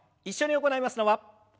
一緒に行いますのは。